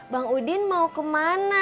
bang udin mau kemana